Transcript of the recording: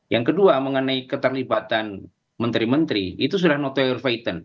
yang kedua mengenai keterlibatan menteri menteri itu sudah noteor faithn